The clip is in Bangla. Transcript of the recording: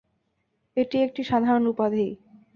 এটি একটি সাধারণ উপাধি।